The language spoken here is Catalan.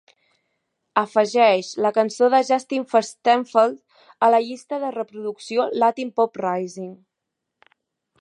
Afegeix la cançó de Justin Furstenfeld a la llista de reproducció Latin Pop Rising